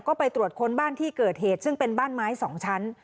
ก็ไปตรวจค้นบ้านที่เกิดเหตุซึ่งเป็นบ้านไม้๒ชั้น